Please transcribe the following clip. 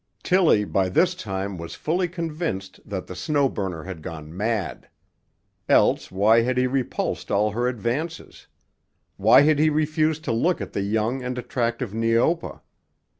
Tillie by this time was fully convinced that the Snow Burner had gone mad. Else why had he repulsed all her advances? Why had he refused to look at the young and attractive Neopa?